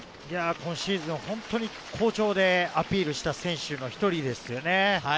今シーズン本当に好調でアピールした選手の１人ですよね。